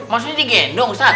maksudnya digendong ustadz